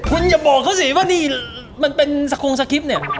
แต่อย่าบอกเค้าสิว่ามันเป็นสกรุงสกริปนี่